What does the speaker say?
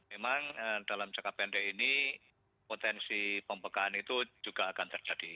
memang dalam jangka pendek ini potensi pembekaan itu juga akan terjadi